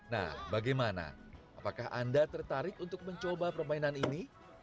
nah bagaimana apakah anda tertarik untuk mencoba permainan ini